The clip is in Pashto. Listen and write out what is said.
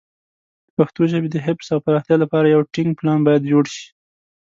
د پښتو ژبې د حفظ او پراختیا لپاره یو ټینګ پلان باید جوړ شي.